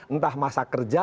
entah masa kerja